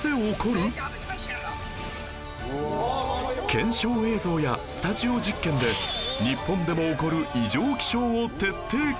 検証映像やスタジオ実験で日本でも起こる異常気象を徹底解説